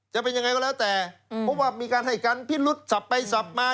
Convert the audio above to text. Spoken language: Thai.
จะเป็นยังไงก็แล้วแต่เพราะว่ามีการให้การพิรุษสับไปสับมา